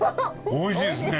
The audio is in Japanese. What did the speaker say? おいしいですね。